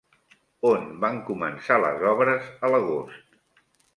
On van començar les obres a l'agost?